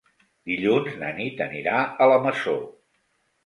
Dilluns na Nit anirà a la Masó.